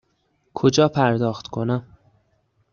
کجا پرداخت کنم؟